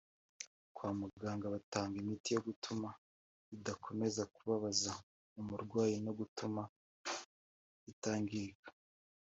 kwa muganga batanga imiti yo gutuma ridakomeza kubabaza umurwayi no gutuma ritangirika